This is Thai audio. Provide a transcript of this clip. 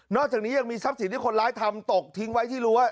อกจากนี้ยังมีทรัพย์สินที่คนร้ายทำตกทิ้งไว้ที่รั้ว